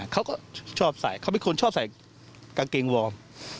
เขาก็ชอบใส่เขาเป็นคนชอบใส่กางเกงวอร์ม